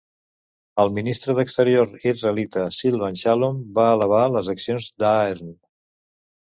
El Ministre d'Exteriors israelita Silvan Shalom va alabar les accions d'Ahern.